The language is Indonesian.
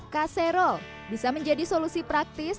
caserol bisa menjadi solusi praktis